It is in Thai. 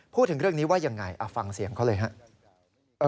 พูดถึงเรื่องนี้ว่ายังไงฟังเสียงเขาเลยครับ